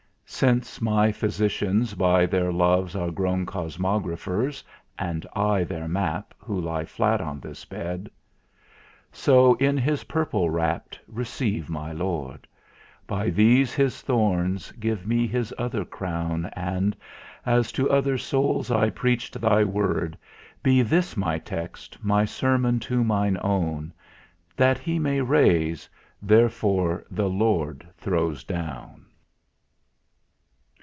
"Since my Physicians by their loves are grown Cosmographers; and I their map, who lie Flat on this bed "So, in His purple wrapt, receive my Lord! By these His thorns, give me His other Crown And, as to other souls I preach'd Thy word, Be this my text, my sermon to mine own, 'That He may raise; therefore the Lord throws down.'"